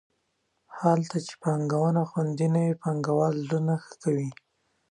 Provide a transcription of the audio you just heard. هلته چې پانګه خوندي نه وي پانګوال زړه نه ښه کوي.